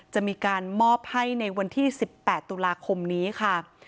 จะมีการมอบให้ในวันที่๑๘ตุลาคมนี้ค่ะ